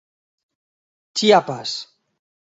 Chiapas.